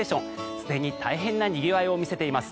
すでに大変なにぎわいを見せています。